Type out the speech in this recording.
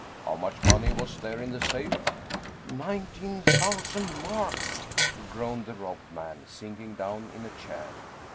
How much money was there in the safe ?"" Nineteen thousand marks," groaned the robbed man, sinking down in a chair.